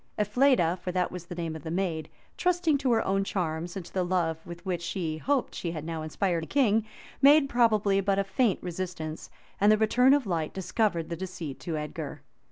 Elfleda (for that was the name of the maid) trusting to her own charms, and to the love with which, she hoped, she had now inspired the king, made probably but a faint resistance; and the return of light discovered the deceit to Edgar.